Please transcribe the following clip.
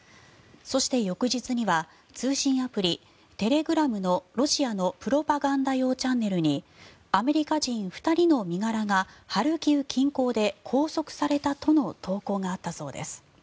そして、翌日には通信アプリ、テレグラムのロシアのプロパガンダ用チャンネルにアメリカ人２人の身柄がハルキウ近郊で拘束されたとの投稿があったそうです。